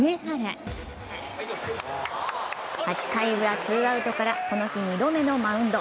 ８回ウラ、ツーアウトからこの日２度目のマウンド。